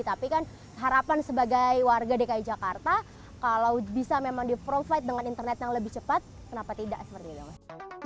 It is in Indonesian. tapi kan harapan sebagai warga dki jakarta kalau bisa memang di provide dengan internet yang lebih cepat kenapa tidak seperti itu mas